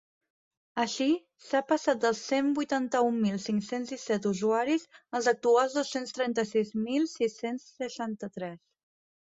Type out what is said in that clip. Així, s’ha passat dels cent vuitanta-un mil cinc-cents disset usuaris als actuals dos-cents trenta-sis mil sis-cents seixanta-tres.